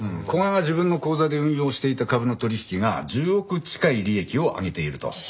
古賀が自分の口座で運用していた株の取引が１０億近い利益を上げていると。